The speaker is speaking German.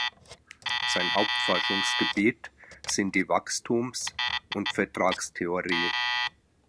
Sein Hauptforschungsgebiet sind die Wachstums- und Vertragstheorie.